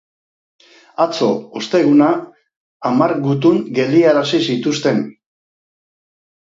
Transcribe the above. Atzo, osteguna, hamar gutun geldiarazi zituzten.